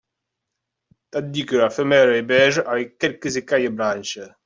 Tandis que la femelle est beige, avec quelques écailles blanches.